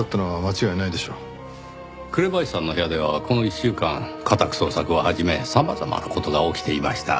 紅林さんの部屋ではこの１週間家宅捜索を始め様々な事が起きていました。